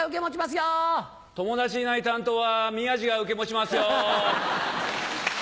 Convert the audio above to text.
友達いない担当は宮治が受け持ちますよ。